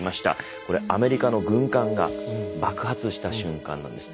これアメリカの軍艦が爆発した瞬間なんです。